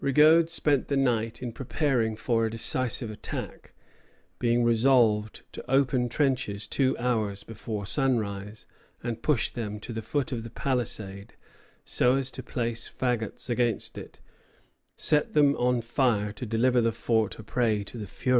Rigaud spent the night in preparing for a decisive attack, "being resolved to open trenches two hours before sunrise, and push them to the foot of the palisade, so as to place fagots against it, set them on fire, and deliver the fort a prey to the fury of the flames."